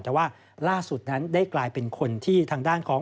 แต่ว่าล่าสุดนั้นได้กลายเป็นคนที่ทางด้านของ